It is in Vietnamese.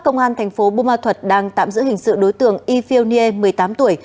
công an thành phố buma thuật đang tạm giữ hình sự đối tượng yifil nye một mươi tám tuổi